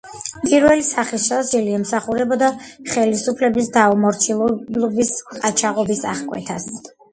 პირველი სახის სასჯელი ემსახურებოდა ხელისუფლების დაუმორჩილებლობის ან ყაჩაღობის აღკვეთას.